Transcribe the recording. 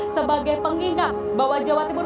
sebagai pengingat bahwa jawa timur